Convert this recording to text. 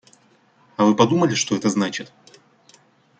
А вы подумали, что это значит?